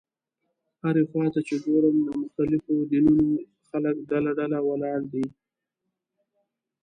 هرې خوا ته چې ګورم د مختلفو دینونو خلک ډله ډله ولاړ دي.